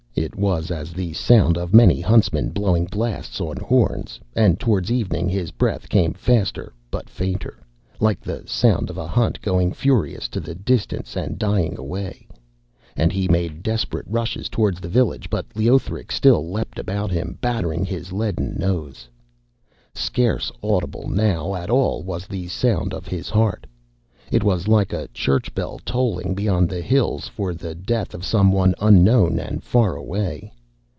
It was as the sound of many huntsmen blowing blasts on horns, and towards evening his breath came faster but fainter, like the sound of a hunt going furious to the distance and dying away, and he made desperate rushes towards the village; but Leothric still leapt about him, battering his leaden nose. Scarce audible now at all was the sound of his heart: it was like a church bell tolling beyond hills for the death of some one unknown and far away.